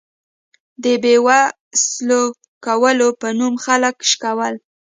د بې وسلو کولو په نوم خلک شکول.